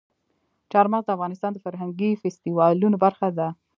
چار مغز د افغانستان د فرهنګي فستیوالونو برخه ده.